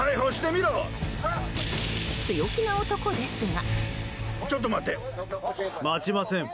強気な男ですが。